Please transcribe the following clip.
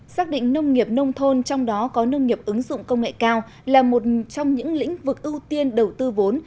xác định nông nghiệp nông thôn trong đó có nông nghiệp ứng dụng công nghệ cao là một trong những lĩnh vực ưu tiên đầu tư vốn